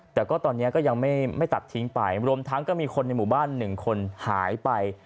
แต่ก็ตอนนี้ก็ยังไม่ตัดทิ้งไปรวมทั้งก็มีคนในหมู่บ้านหนึ่งคนหายไป